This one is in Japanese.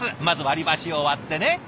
まず割り箸を割ってね。